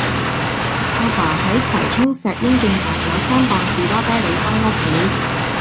亞爸喺葵涌石英徑買左三磅士多啤梨返屋企